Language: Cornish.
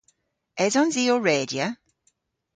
Esons i ow redya?